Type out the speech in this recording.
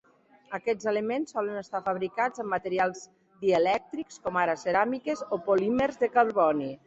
Aquests elements solen estar fabricats amb materials dielèctrics com ara ceràmiques o polímers del carboni.